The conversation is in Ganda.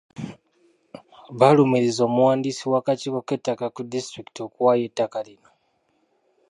Balumiriza omuwandiisi w’akakiiko k’ettaka ku disitulikiti okuwaayo ettaka lino.